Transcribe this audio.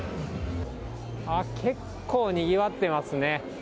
結構にぎわってますね。